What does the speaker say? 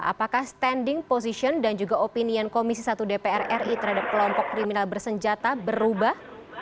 apakah standing position dan juga opinion komisi satu dpr ri terhadap kelompok kriminal bersenjata berubah